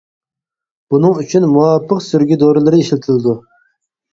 بۇنىڭ ئۈچۈن مۇۋاپىق سۈرگە دورىلىرى ئىشلىتىلىدۇ.